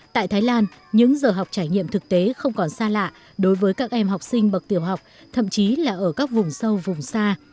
tại thái lan những giờ học trải nghiệm thực tế không còn xa lạ đối với các em học sinh bậc tiểu học thậm chí là ở các vùng sâu vùng xa